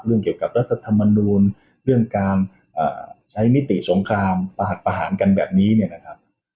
เกี่ยวกับรัฐธรรมนูลเรื่องการใช้มิติสงครามประหัสประหารกันแบบนี้เนี่ยนะครับ